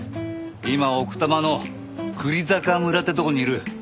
今奥多摩の久里坂村ってとこにいる。